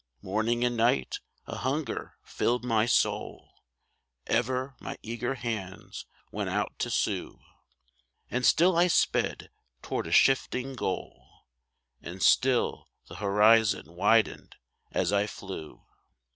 Morning and night a hunger filled my soul ; Ever my eager hands went out to sue ; And still I sped toward a shifting goal, And still the horizon widened as I flew.